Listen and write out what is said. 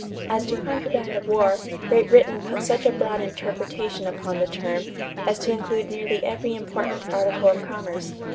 As to contraband of war Great Britain put such a broad interpretation upon the term as to include nearly every important article of commerce.